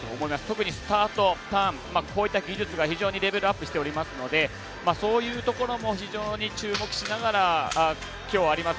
特にスタート、ターンこういった技術が非常にレベルアップしてますのでそういったところも非常に注目しながら今日あります